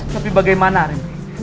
tapi bagaimana arimie